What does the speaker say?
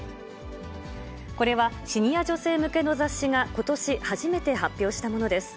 これはシニア女性向けの雑誌がことし初めて発表したものです。